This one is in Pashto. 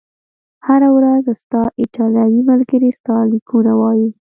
هره ورځ، ستا ایټالوي ملګري ستا لیکونه وایي؟